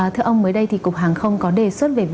thưa ông mới đây thì cục hàng không có đề xuất